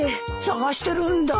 探してるんだ。